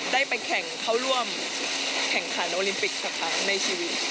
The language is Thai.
ได้ไปแข่งเข้าร่วมแข่งขันโอลิมปิกสักครั้งในชีวิต